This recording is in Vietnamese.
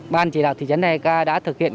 ban chỉ đạo thị trấn eka đã thực hiện